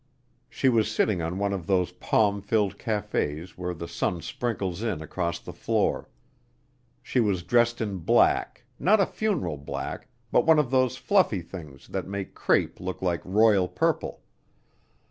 She was sitting in one of those palm filled cafés where the sun sprinkles in across the floor. She was dressed in black, not a funeral black, but one of those fluffy things that make crêpe look like royal purple.